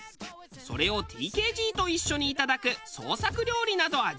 それをＴＫＧと一緒にいただく創作料理など味わえる。